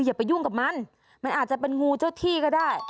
อย่าไปยุ่งกับมันมันอาจจะเป็นงูเจ้าที่ก็ได้